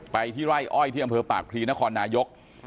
ไปที่ไร่อ้อยที่อำเภอปรากฎีจักรนครนายศ์